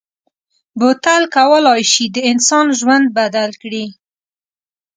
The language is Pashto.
بوتل کولای شي د انسان ژوند بدل کړي.